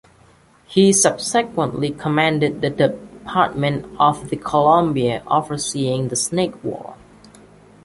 He subsequently commanded the Department of the Columbia, overseeing the Snake War.